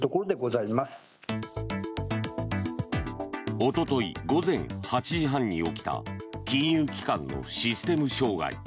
おととい午前８時半に起きた金融機関のシステム障害。